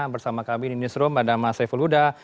bersama kami di newsroom pada mas haiful huda